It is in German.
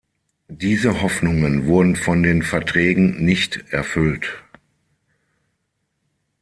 Diese Hoffnungen wurden von den Verträgen nicht erfüllt.